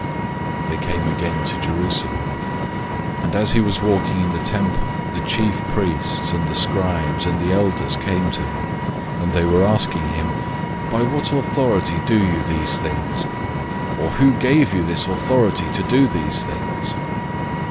011:027 They came again to Jerusalem, and as he was walking in the temple, the chief priests, and the scribes, and the elders came to him, 011:028 and they began saying to him, "By what authority do you do these things? Or who gave you this authority to do these things?"